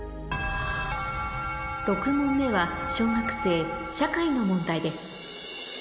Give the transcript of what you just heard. ６問目は小学生社会の問題です